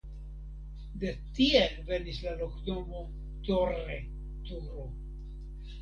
De tie venis la loknomo "Torre" (turo).